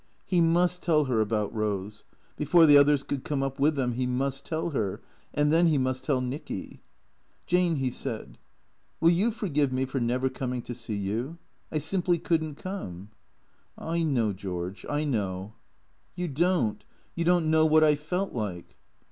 He must tell her about Eose. Before the others could come up with them he must tell her. And then he must tell Nicky. " Jane," he said, " will you forgive me for never coming to see you ? I simply could n't come." " I know, George, I know." THECREATOES 83 " You don't. You don't know what I felt like."